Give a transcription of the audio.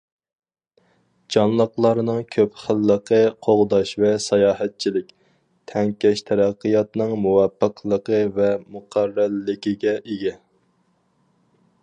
جانلىقلارنىڭ كۆپ خىللىقىنى قوغداش ۋە ساياھەتچىلىك- تەڭكەش تەرەققىياتنىڭ مۇۋاپىقلىقى ۋە مۇقەررەرلىكىگە ئىگە.